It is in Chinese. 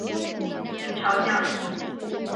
清朝将领。